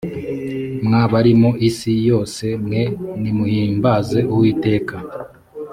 mwa bari mu isi yose mwe nimuhimbaze uwiteka